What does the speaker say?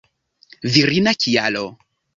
Virina kialo.